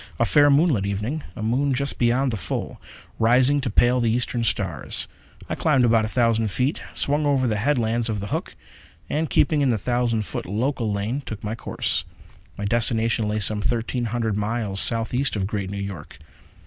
A fair, moonlit evening a moon just beyond the full, rising to pale the eastern stars. I climbed about a thousand feet, swung over the headlands of the Hook, and, keeping in the thousand foot local lane, took my course. My destination lay some thirteen hundred miles southeast of Great New York.